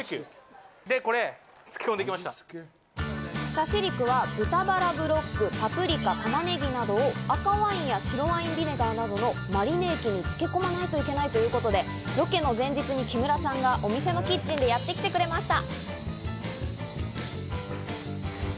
シャシリクは豚バラブロック、パプリカ、玉ねぎなどを赤ワインや白ワインビネガーなどのマリネ液に漬け込まないといけないということで、ロケの前日に木村さんがお店のキッチンでやってきてくれました。